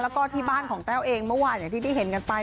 แล้วก็ที่บ้านของแต้วเองเมื่อวานอย่างที่ได้เห็นกันไป